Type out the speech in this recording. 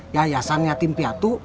yayasan yatim piatu